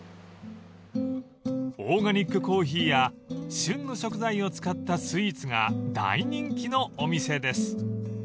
［オーガニックコーヒーや旬の食材を使ったスイーツが大人気のお店です］